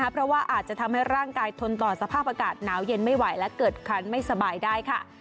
เพราะว่าอาจจะทำให้ร่างกายทนต่อสภาพอากาศหนาวเย็นไม่ไหวและเกิดคันไม่สบายได้ค่ะ